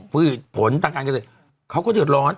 พืชผลทางการเกษตรเขาก็เดือดร้อน